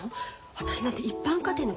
私なんて一般家庭の子よ。